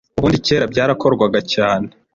Ubundi kera byarakorwaga cyane